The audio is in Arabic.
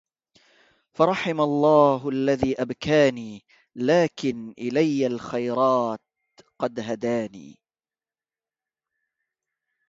فرحم الله الذي أبكاني لكن إلي الخيرات قد هداني